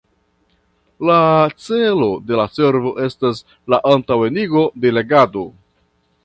La celo de la servo estas la antaŭenigo de legado.